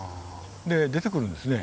で出てくるんですね